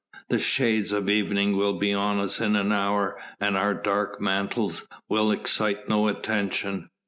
The shades of evening will be on us in an hour and our dark mantles will excite no attention.